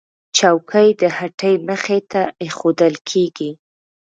چوکۍ د هټۍ مخې ته ایښودل کېږي.